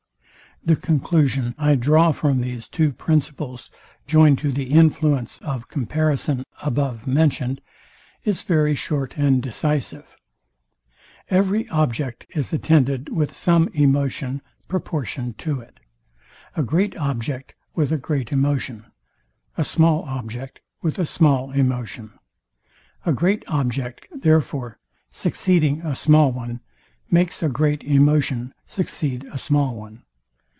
The conclusion I draw from these two principles, joined to the influence of comparison above mentioned, is very short and decisive. Every object is attended with some emotion proportioned to it; a great object with a great emotion, a small object with a small emotion. A great object, therefore, succeeding a small one makes a great emotion succeed a small one.